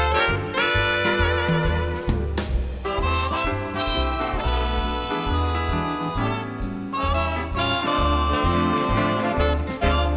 สวัสดีครับสวัสดีครับ